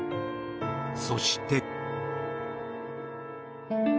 そして。